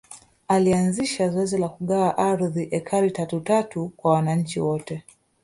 Alanzisha zoezi la kugawa ardhi ekari tatu tatu kwa wananchi wote